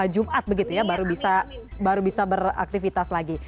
jumat begitu ya baru bisa baru bisa beraktivitas lagi